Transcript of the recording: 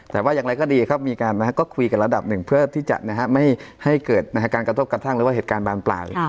แต่ว่าอย่างไรก็ดีครับมีการก็คุยกันระดับหนึ่งเพื่อที่จะไม่ให้เกิดการกระทบกระทั่งหรือว่าเหตุการณ์บานปลาย